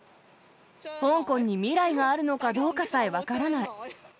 香港に未来があるのかどうかさえ分からない。